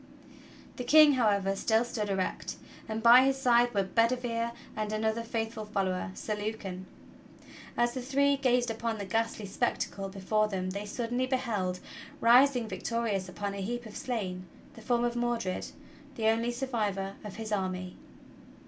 The King, however, still stood erect, and by his side were Bedi vere and another faithful follower. Sir Lucan. As the three gazed upon the ghastly spectacle before them they suddenly beheld, rising victorious upon a heap of slain, the form of Mordred, the only sur vivor of his army.